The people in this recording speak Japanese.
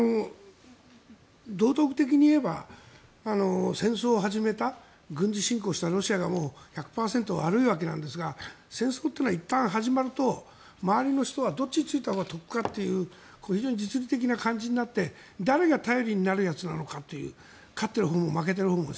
道徳的に言えば戦争を始めた軍事侵攻したロシアが１００％悪いわけなんですが戦争というのはいったん始まると周りの人はどっちについたほうが得かっていう非常に実利的な感じになって誰が頼りになるやつなのかという勝ってるほうも負けてるほうも。